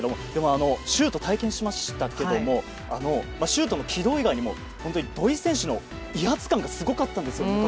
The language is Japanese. シュート体験しましたがシュートの軌道以外にも土井選手の威圧感がすごかったんですよ。